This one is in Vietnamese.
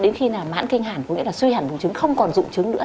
đến khi mà mãn kinh hẳn có nghĩa là suy hẳn bùng trứng không còn dụ trứng nữa